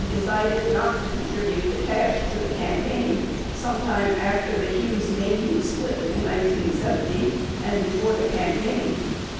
971 decided not to contribute the cash to the campaign sometime after the Hughes Maheu split in 1970 and before the campaign.